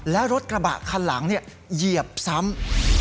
และรถกระบะคันหลังเหยียบซ้ำ